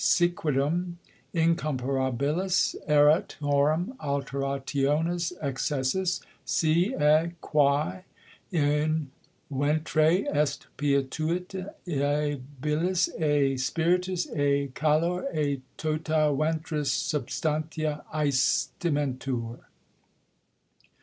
Siquidem incomparabilis erit horum alterationis excessus, si & quæ in ventre est Pituita & Bilis, & Spiritus, & Calor, & tota Ventris substantia, æstimentur.